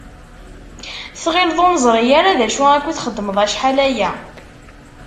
Tɣilleḍ ur neẓri ara acu akk i txeddmeḍ acḥal aya?